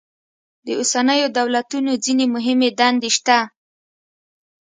د اوسنیو دولتونو ځینې مهمې دندې شته.